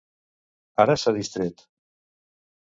Ara s'ha distret.